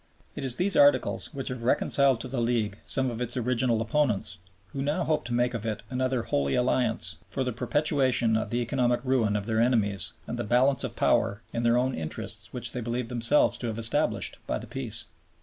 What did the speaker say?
It is these Articles which have reconciled to the League some of its original opponents, who now hope to make of it another Holy Alliance for the perpetuation of the economic ruin of their enemies and the Balance of Power in their own interests which they believe themselves to have established by the Peace.